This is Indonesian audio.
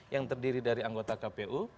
yang terdiri dari anggota kpu